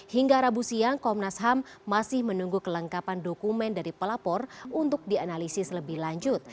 hingga rabu siang komnas ham masih menunggu kelengkapan dokumen dari pelapor untuk dianalisis lebih lanjut